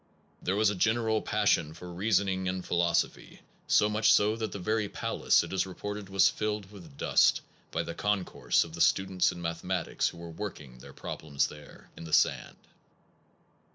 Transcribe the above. ... There was a general pas sion for reasoning and philosophy, so much so that the very palace, it is reported, was filled with dust by the concourse of the students in mathematics who were working their problems there in the sand.